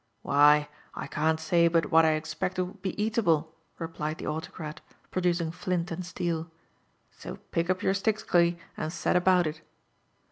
'' Why, t can't Say 6ut i^hat I expect it #oiiM h6 eatable," replietf fibe autocrat, producing flint and steel; '' io pick up your sticks, CU, and set about it."